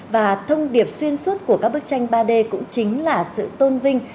và thông điệp xuyên suốt của các bức tranh ba d cũng chính là sự tôn vinh